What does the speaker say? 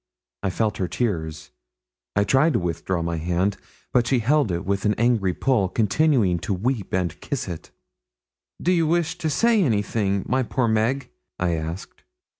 I felt her tears. I tried to withdraw my hand, but she held it with an angry pull, continuing to weep and kiss it. 'Do you wish to say anything, my poor Meg?' I asked.